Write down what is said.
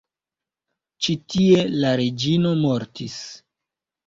Ĉi-tie la reĝino mortis.